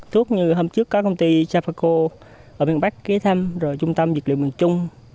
thuốc như hôm trước có công ty trafaco ở miền bắc ký thăm rồi trung tâm dịch liệu miền trung